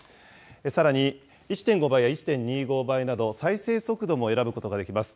さらに、１．５倍や１．２５倍など再生速度も選ぶことができます。